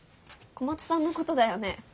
小松さんのことだよね？